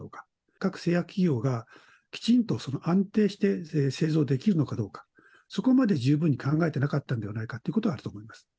各製薬企業が、きちんと安定して製造できるのかどうか、そこまで十分に考えてなかったのではないかということはあると思います。